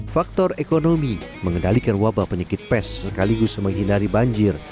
faktor ekonomi mengendalikan wabah penyakit pes sekaligus menghindari banjir